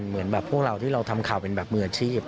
เหมือนแบบพวกเราที่เราทำข่าวเป็นแบบมืออาชีพ